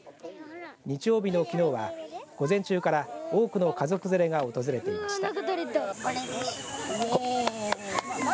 日曜日のきのうは午前中から多くの家族連れが訪れていました。